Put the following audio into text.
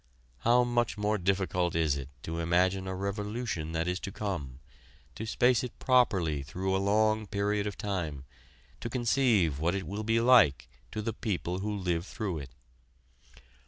How much more difficult is it to imagine a revolution that is to come to space it properly through a long period of time, to conceive what it will be like to the people who live through it.